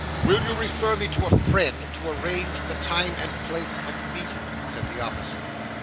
'Will you refer me to a friend, to arrange the time and place of meeting?' said the officer.